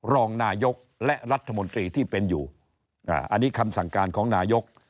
รองนายกและรัฐมนตรีที่เป็นอยู่อันนี้คำสั่งการของนายก